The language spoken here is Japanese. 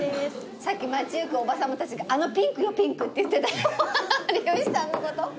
さっき街行くおばさまたちが「あのピンクよピンク」って言ってた有吉さんのこと。